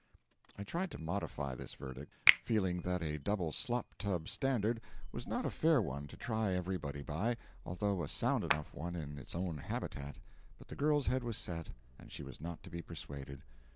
I tried to modify this verdict, feeling that a double slop tub standard was not a fair one to try everybody by, although a sound enough one in its own habitat; but the girl's head was set, and she was not to be persuaded.